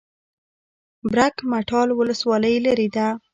برګ مټال ولسوالۍ لیرې ده؟